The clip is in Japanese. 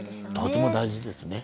とても大事ですね。